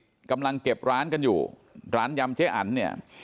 กำลังเก็บร้านกันอยู่ร้านยำเจ๊อันเนี่ย